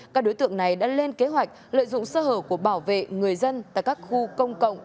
các đối tượng này đã lên kế hoạch lợi dụng sơ hở của bảo vệ người dân tại các khu công cộng